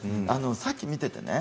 さっき見ていてね